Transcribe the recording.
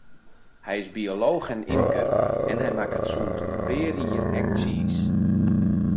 Hy is biolooch en ymker, en hy makket sûnt in pear jier ek tsiis.